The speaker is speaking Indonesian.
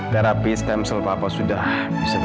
jadi tidak mengodor datang